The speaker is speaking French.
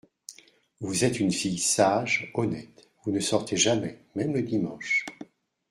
Vous êtes une fille sage, honnête ; vous ne sortez jamais, même le dimanche…